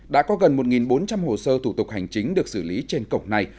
đã có gần một bốn trăm linh hồ sơ thủ tục hành chính được xử lý trên cổng này